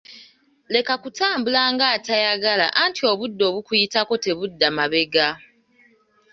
Leka kutambula nga atayagala anti obudde obukuyitako tebudda mabega.